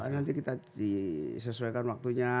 nanti kita disesuaikan waktunya